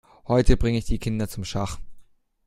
Heute bringe ich die Kinder zum Schach.